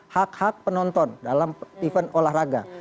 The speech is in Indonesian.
hak hak penonton dalam event olahraga